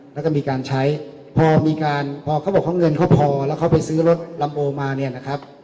แล้วก็มีการใช้พอมีการพอเขาบอกว่าเงินเขาพอแล้วเขาไปซื้อรถลัมโบมาเนี่ยนะครับ